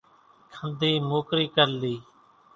کنڌِي موڪرِي ڪرِ لئِي۔